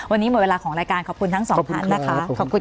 วันนี้หมดเวลาของรายการขอบคุณทั้งสองท่านนะคะขอบคุณ